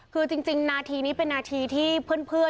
คือจริงนาทีนี้เป็นนาทีที่เพื่อน